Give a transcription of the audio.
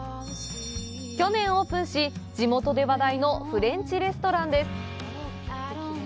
去年オープンし地元で話題のフレンチレストランです。